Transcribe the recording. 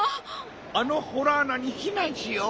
あのほらあなにひなんしよう。